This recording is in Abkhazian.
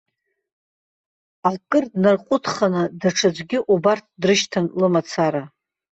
Акыр днарҟәыҭханы, даҽаӡәгьы убарҭ дрышьҭан лымацара.